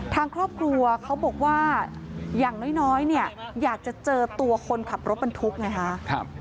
ทางครอบครัวเขาบอกว่าอย่างน้อยอยากจะเจอตัวคนขับรถบันทุกข์ไงครับ